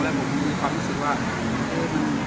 แล้วผมก็มีความรู้สึกว่า